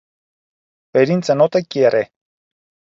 Վերին ծնոտը կեռ է։